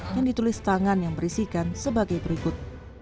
yang ditulis tangan yang berisikan sebagai berikut